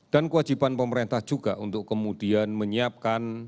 dan kewajiban pemerintah juga untuk kemudian menyiapkan